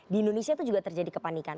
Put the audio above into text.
di indonesia itu juga terjadi kepanikan